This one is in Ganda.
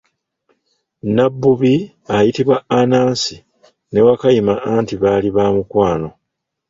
Nabbubi ayitibwa Anansi ne Wakayima anti baali baamukwano.